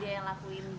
apa yang dia lakuin